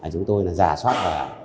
chúng tôi là giả soát